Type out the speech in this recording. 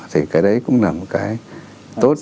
thì cái đấy cũng là một cái tốt